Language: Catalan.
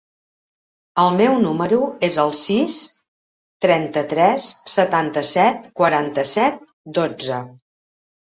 El meu número es el sis, trenta-tres, setanta-set, quaranta-set, dotze.